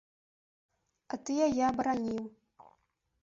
А ты яе абараніў.